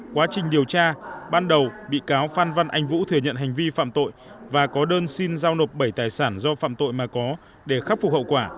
quá trình điều tra ban đầu bị cáo phan văn anh vũ thừa nhận hành vi phạm tội và có đơn xin giao nộp bảy tài sản do phạm tội mà có để khắc phục hậu quả